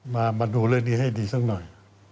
มาดูเรื่องนี้ให้ดีสักหน่อย